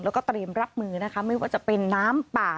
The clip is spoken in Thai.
แล้วก็เตรียมรับมือนะคะไม่ว่าจะเป็นน้ำป่า